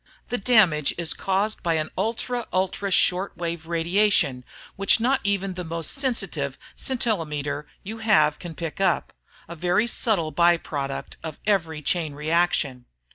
The damage is caused by an ultra ultra short wave radiation which not even the most sensitive scintillometer you have can pick up, a very subtle by product of every chain reaction.